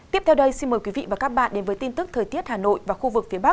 tiếp theo đây xin mời quý vị và các bạn đến với tin tức thời tiết hà nội và khu vực phía bắc